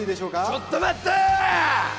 ちょっと待った！